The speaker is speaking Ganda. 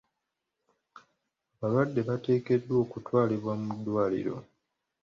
Abalwadde bateekeddwa okutwalibwa mu ddwaliro.